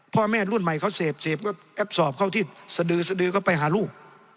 พ่อแม่รุ่นใหม่เขาเสพเสพก็แอปสอบเข้าที่สะดือสดือเข้าไปหาลูก